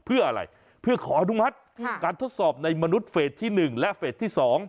เพื่ออะไรเพื่อขออนุมัติการทดสอบในมนุษย์เฟสที่๑และเฟสที่๒